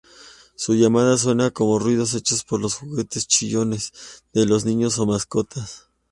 Su llamada suena como ruidos hechos por los "juguetes-chillones" de los niños o mascotas.